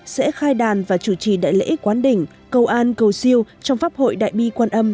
sẽ khai đàn và chủ trì đại lễ quán đỉnh cầu an cầu siêu trong pháp hội đại bi quan âm